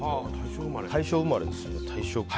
大正生まれですね。